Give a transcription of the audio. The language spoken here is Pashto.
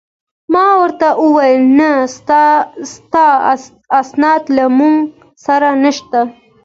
ما ورته وویل: نه، ستا اسناد له موږ سره نشته.